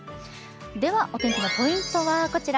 では、お天気のポイントはこちら。